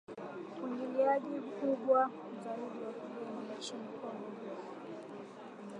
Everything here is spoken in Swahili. Uingiliaji mkubwa zaidi wa kigeni nchini Congo katika kipindi cha muongo mmoja kando na operesheni ya kulinda amani ya Umoja wa mataifa.